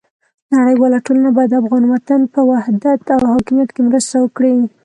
نړیواله ټولنه باید د افغان وطن په وحدت او حاکمیت کې مرسته وکړي.